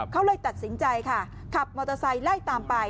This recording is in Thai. เขาเลยตัดสินใจค่ะขับมอเตอร์ไซค์ไล่ตามไป